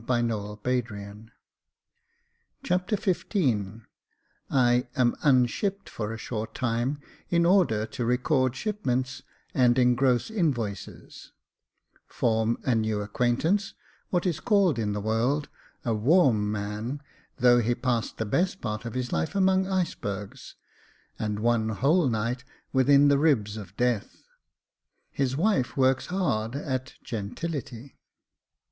Jacob Faithful 129 Chapter XV I am unshipped for a short time, in order to record shipments and engross invoices — Form a new acquaintance, what is called in the world " A warm Man," though he passed the best part of his life among icebergs, and one whole night within the ribs of death — His wife works hard at gentility.